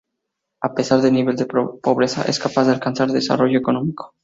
A pesar del nivel de pobreza, siempre es capaz de alcanzar desarrollo económico.